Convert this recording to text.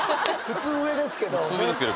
普通上ですけどね。